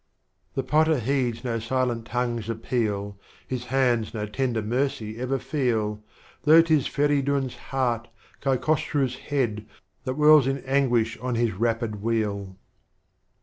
The Potter heeds no silent Tongue's appeal, His Hands no Tender Mercy ever feel, Though 'lis Ferichm's ' Heart,— KaiKosru's Head, That whirls iu Anguish on his rapid Wheel.